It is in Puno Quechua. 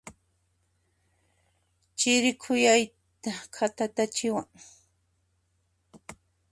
Chiri khuyayta khatatachiwan.